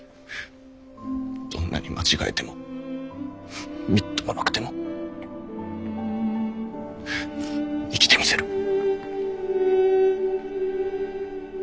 どんなに間違えてもみっともなくても生きてみせる。